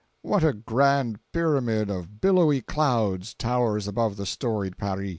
What a grand pyramid of billowy clouds towers above the storied Pari!